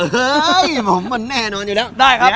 เฮ้ยมันแน่นอนอยู่แล้ว